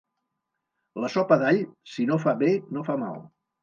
La sopa d'all, si no fa bé, no fa mal.